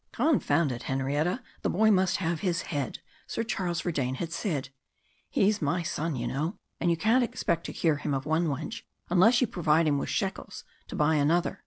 "Confound it, Henrietta! The boy must have his head!" Sir Charles Verdayne had said. "He's my son, you know, and you can't expect to cure him of one wench unless you provide him with shekels to buy another."